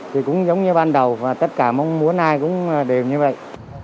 thì cũng giống như ban đầu và tất cả mong muốn ai cũng đều như vậy